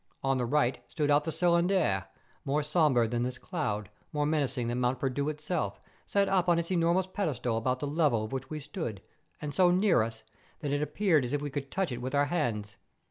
On the right stood out the Cylindre, more sombre than this cloud, more menacing than Mont Perdu itself, set up on its enormous pedestal about the level of which we stood, and so near us, that it appeared as if we could touch it with our hands.